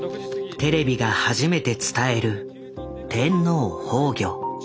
テレビが初めて伝える天皇崩御。